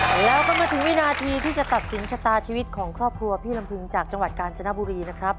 เอาแล้วก็มาถึงวินาทีที่จะตัดสินชะตาชีวิตของครอบครัวพี่ลำพึงจากจังหวัดกาญจนบุรีนะครับ